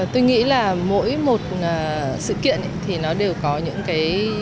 tôi nghĩ là mỗi một sự kiện thì nó đều có những cái